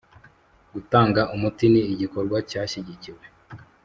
Gutanga umuti ni igikorwa cyashyigikiwe